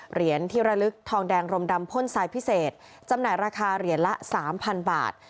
เหรียญที่ระลึกทองแดงรมดำพ่นทรายพิเศษจำหน่ายราคาเหรียญละ๓๐๐บาท